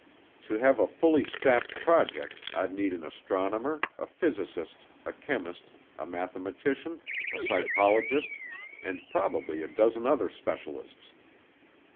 To have a fully staffed project, I'd need an astronomer, a physicist, a chemist, a mathematician, a psychologist, and probably a dozen other specialists.